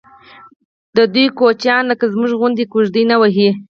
ددوی کوچیان لکه زموږ غوندې کېږدۍ نه وهي.